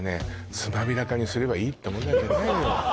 つまびらかにすればいいって問題じゃないのよ